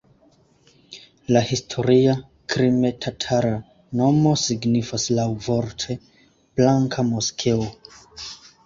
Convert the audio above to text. La historia krime-tatara nomo signifas laŭvorte "blanka moskeo".